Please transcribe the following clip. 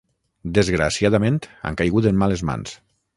Desgraciadament, han caigut en males mans.